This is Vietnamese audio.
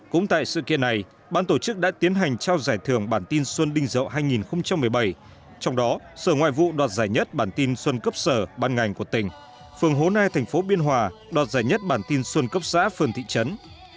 cũng tại sự kiện này bản tổ chức đã tiến hành trao giải thưởng bản tin xuân đinh dậu hai nghìn một mươi bảy trong đó sở ngoại vụ đoạt giải nhất bản tin xuân cấp xã bản ngành của tỉnh phường hồ nai tp biên hòa đoạt giải nhất bản tin xuân cấp xã phường thị trấn